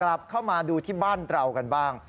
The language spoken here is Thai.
กลับเข้ามาดูที่บ้านเรากันบ้าง